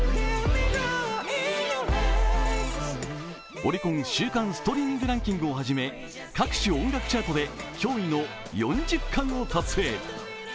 オリコン週間ストリーミングランキングをはじめ各種音楽チャートで驚異の４０冠達成。